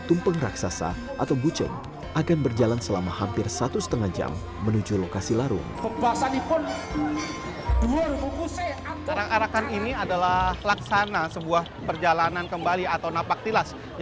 terdapat banyak kesan everybit atau penengan tim menipu dan meng vertex rasa hal pourtant pada hidupnya